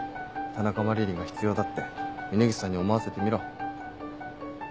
「田中麻理鈴が必要だ」って峰岸さんに思わせてみろ。